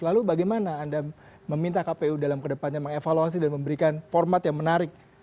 lalu bagaimana anda meminta kpu dalam kedepannya mengevaluasi dan memberikan format yang menarik